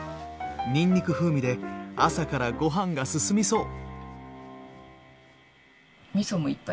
にんにく風味で朝からご飯が進みそう。